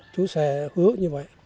chú sẽ hứa như vậy